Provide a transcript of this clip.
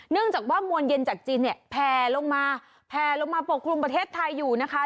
เนื่องจากว่ามวลเย็นจากจีนเนี่ยแพลลงมาแพลลงมาปกคลุมประเทศไทยอยู่นะคะ